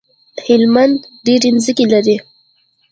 هلمند ډيری مځکی لری